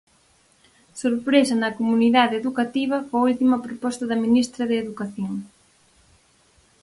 Sorpresa na comunidade educativa coa última proposta da ministra de Educación.